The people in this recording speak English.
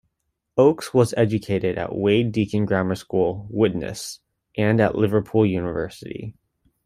Oakes was educated at Wade Deacon grammar school, Widnes and at Liverpool University.